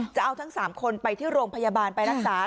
จะเอาทั้ง๓คนไปที่โรงพยาบาลไปรักษา